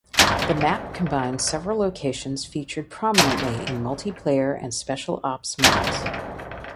The map combines several locations featured prominently in Multiplayer and Special Ops modes.